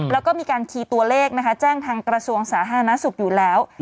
แล้วก็มีการคีย์ตัวเลขนะคะแจ้งทางกระทรวงสาธารณสุขอยู่แล้ว